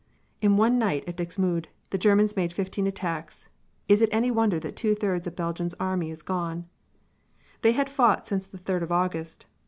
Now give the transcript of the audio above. In one night at Dixmude the Germans made fifteen attacks. Is it any wonder that two thirds of Belgium's Army is gone? They had fought since the third of August.